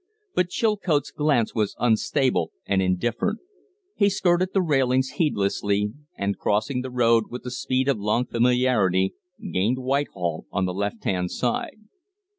But Chilcote's glance was unstable and indifferent; he skirted the railings heedlessly, and, crossing the road with the speed of long familiarity, gained Whitehall on the lefthand side.